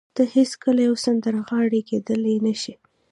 ته هېڅکله يوه سندرغاړې کېدای نه شې.